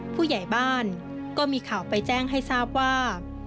ผู้ใหญ่บ้านก็มีข่าวไปแจ้งให้ทราบว่า